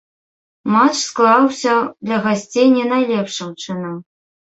Матч склаўся для гасцей не найлепшым чынам.